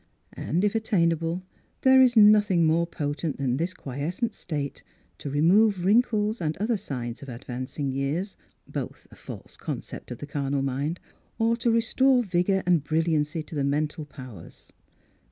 And if attainable there is noth ing more potent than this quiescent state to remove wrinkles and other signs of ad vancing years — both a false concept of the carnal mind — or to restore vigour and brilliancy to the mental powers.